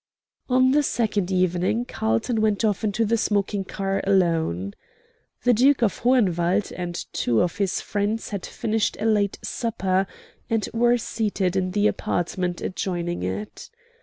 On the second evening Carlton went off into the smoking car alone. The Duke of Hohenwald and two of his friends had finished a late supper, and were seated in the apartment adjoining it.